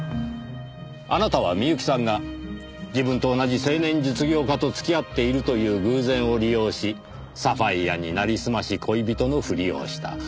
あなたは美由紀さんが自分と同じ青年実業家と付き合っているという偶然を利用しサファイアになりすまし恋人のふりをした。